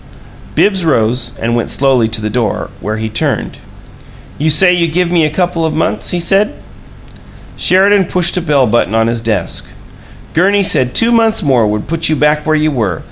Bibbs rose and went slowly to the door, where he turned. "You say you give me a couple of months?" he said. Sheridan pushed a bell button on his desk. "Gurney said two months more would put you back where you were.